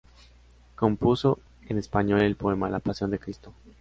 Compuso en español el poema "La pasión de Cristo".